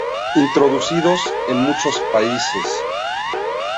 Introducidos en muchos países.